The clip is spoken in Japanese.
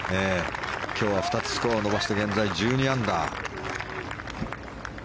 今日は２つスコアを伸ばして現在、１２アンダー。